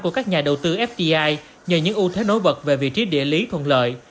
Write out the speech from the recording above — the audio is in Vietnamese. của các nhà đầu tư fdi nhờ những ưu thế nối bật về vị trí địa lý thuận lợi